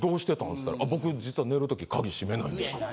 つったら「僕実は寝るとき鍵閉めないんですよ」。